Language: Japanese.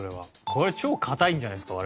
これ超堅いんじゃないですか？